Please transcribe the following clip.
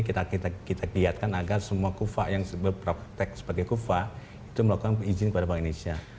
kita kita kita giatkan agar semua kupfa yang berprotek sebagai kupfa itu melakukan izin kepada bank indonesia